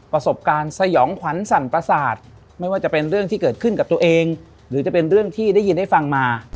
ประสบการณ์สยองขวัญสั่นประสาทไม่ว่าจะเป็นเรื่องที่เกิดขึ้นกับตัวเองหรือจะเป็นเรื่องที่ได้ยินได้ฟังมา